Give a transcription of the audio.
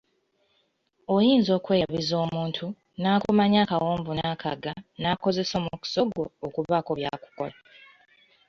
Oyinza okweyabiza omuntu, n’akumanya akawonvu n’akagga, n’akozesa omukisa ogwo y'okubaako by’akukola.